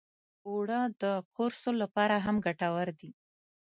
اوړه د قرصو لپاره هم ګټور دي